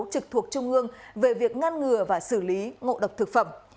trực thuộc trung ương về việc ngăn ngừa và xử lý ngộ độc thực phẩm